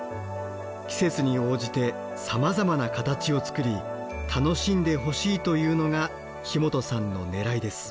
季節に応じてさまざまな形を作り楽しんでほしいというのが木本さんのねらいです。